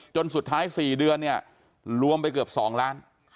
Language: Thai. จนสุดท้าย๔เดือนเนี่ยรวมไปเกือบ๒ล้าน